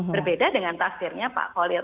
berbeda dengan takdirnya pak holid